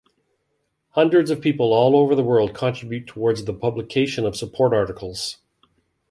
Hundreds of people all over the world contribute towards the publication of support articles.